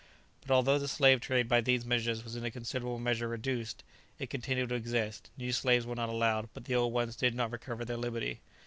But although the slave trade by these measures was in a considerable measure reduced, it continued to exist; new slaves were not allowed, but the old ones did not recover their liberty.